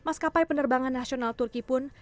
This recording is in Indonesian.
maskapai penerbangan nasional turki pun